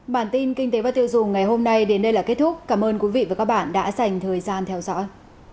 bản tin kinh tế và tiêu dùng ngày hôm nay đến đây là kết thúc cảm ơn quý vị và các bạn đã dành thời gian theo dõi